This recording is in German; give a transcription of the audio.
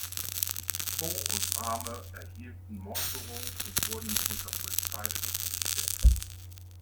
Fo und Rame erhielten Morddrohungen und wurden unter Polizeischutz gestellt.